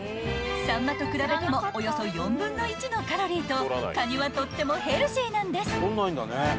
［サンマと比べてもおよそ４分の１のカロリーとカニはとってもヘルシーなんです］